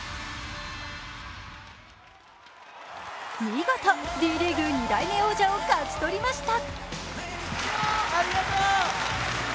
見事Ｄリーグ・２代目王者を勝ち取りました。